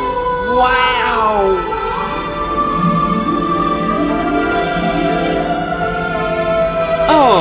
oh mengemaskan sekali